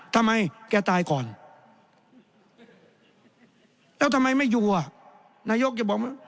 ทำไมแกตายก่อนแล้วทำไมไม่อยู่อ่ะนายกจะบอก